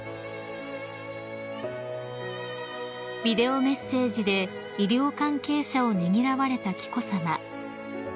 ［ビデオメッセージで医療関係者をねぎらわれた紀子さま］